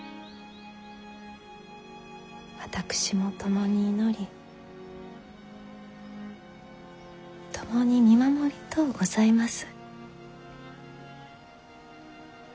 私も共に祈り共に見守りとうございます。